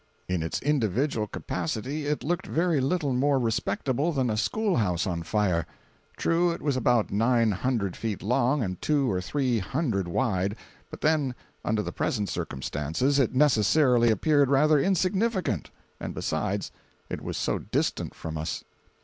In its individual capacity it looked very little more respectable than a schoolhouse on fire. True, it was about nine hundred feet long and two or three hundred wide, but then, under the present circumstances, it necessarily appeared rather insignificant, and besides it was so distant from us.